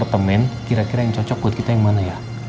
apartemen kira kira yang cocok buat kita yang mana ya